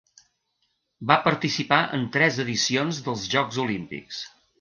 Va participar en tres edicions dels Jocs Olímpics.